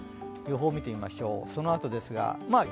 予報を見てみましょうそのあとです。